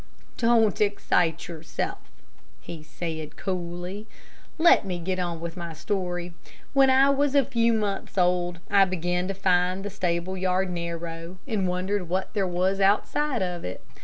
"Don't excite yourself," he said, coolly. "Let me get on with my story. When I was a few months old, I began to find the stable yard narrow, and wondered what there was outside of it.